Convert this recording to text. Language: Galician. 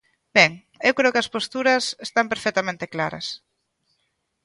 Ben, eu creo que as posturas están perfectamente claras.